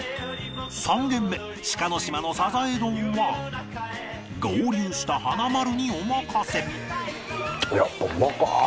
３軒目志賀島のさざえ丼は合流した華丸にお任せ！